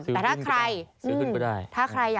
อยากให้คิดซื้อชื่อกุญกันก็ได้